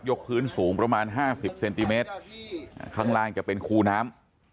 พื้นสูงประมาณห้าสิบเซนติเมตรข้างล่างจะเป็นคูน้ำ